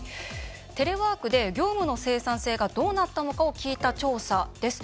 テレワークで業務の生産性がどうなったかを聞いた調査です。